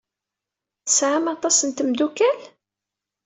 Tesɛam aṭas n tmeddukal?